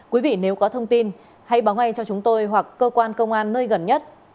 quý vị nếu có thông tin hãy báo ngay cho chúng tôi hoặc cơ quan công an nơi gần nhất